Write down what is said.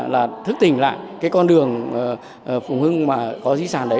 là thức tỉnh lại cái con đường phùng hưng mà có di sản đấy